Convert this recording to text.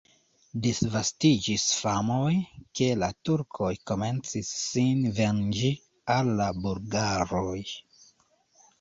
Disvastiĝis famoj, ke la turkoj komencis sin venĝi al la bulgaroj.